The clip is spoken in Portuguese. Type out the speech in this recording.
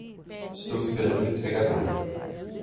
Estou esperando o entregador.